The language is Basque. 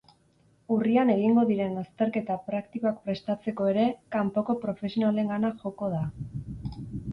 Urrian egingo diren azterketa praktikoak prestatzeko ere, kanpoko profesionalengana joko da.